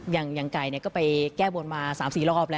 อย่างไก่ก็ไปแก้บนมา๓๔รอบแล้ว